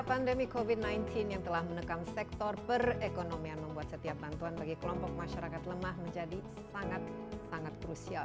pandemi covid sembilan belas yang telah menekam sektor perekonomian membuat setiap bantuan bagi kelompok masyarakat lemah menjadi sangat sangat krusial